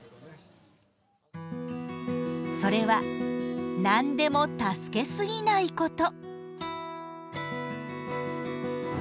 それは何でも助けすぎないこと。